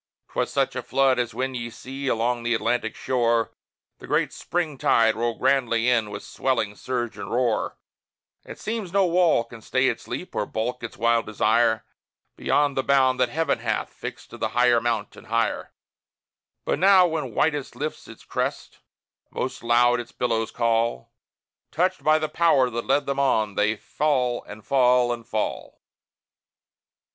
'Twas such a flood as when ye see along the Atlantic shore, The great Spring tide roll grandly in with swelling surge and roar: It seems no wall can stay its leap or balk its wild desire Beyond the bound that Heaven hath fixed to higher mount, and higher; But now, when whitest lifts its crest, most loud its billows call, Touched by the Power that led them on, they fall, and fall, and fall.